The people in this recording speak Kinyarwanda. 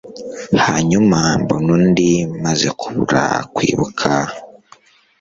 hanyuma mbona undi maze kubura kwibuka